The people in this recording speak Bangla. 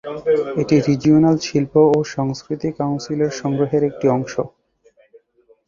এটি রিজিওনাল শিল্প ও সংস্কৃতি কাউন্সিলের সংগ্রহের একটি অংশ।